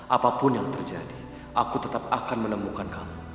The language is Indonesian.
apapun yang terjadi aku tetap akan menemukan kamu